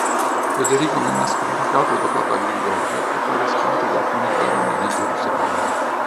Federico venne scomunicato da papa Gregorio e poi respinto da alcuni baroni di Gerusalemme.